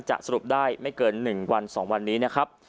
สรุปได้ไม่เกิน๑วัน๒วันนี้นะครับ